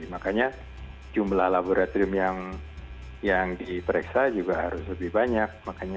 makanya jumlah laboratorium yang diperiksa juga harus lebih banyak